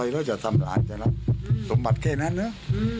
เราจะทำหลานเฉล็ดละสมบัติแค่นั้นเนี่ย